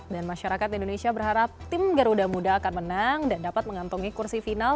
dan masyarakat indonesia berharap tim garuda muda akan menang dan dapat mengantungi kursi final